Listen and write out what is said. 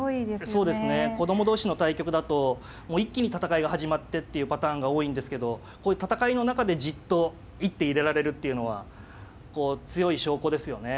そうですね子供同士の対局だともう一気に戦いが始まってっていうパターンが多いんですけど戦いの中でじっと一手入れられるっていうのは強い証拠ですよね。